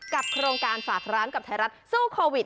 โครงการฝากร้านกับไทยรัฐสู้โควิด